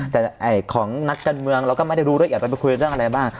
แต่ของนักการเมืองเราก็ไม่ได้รู้รายละเอียดของเขาไปคุยเรื่องอะไรบ้าง